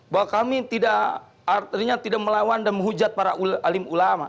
bahwa kami tidak artinya tidak melawan dan menghujat para alim ulama